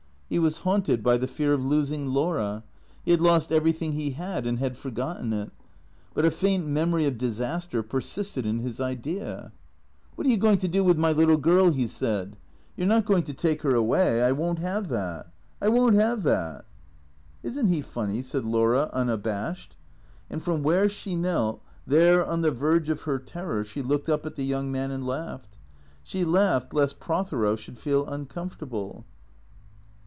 He was haunted by the fear of losing Laura. He had lost everything he had and had forgotten it; but a faint memory of disaster persisted in his idea. " What are you going to do with my little girl ?" he said. " You 're not going to take her away ? I won't have that. I won't have that." "Isn't he funny?" said Laura, unabashed. And from where she knelt, there on the verge of her terror, she looked up at the young man and laughed. She laughed lest Prothero should feel uncomfortable.